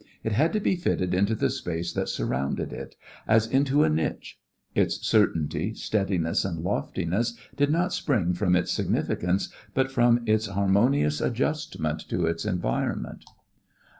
It had to be fitted into the space that surrounded it, as into a niche; its certainty, steadiness and loftiness did not spring from its significance but from its harmonious adjustment to its environment.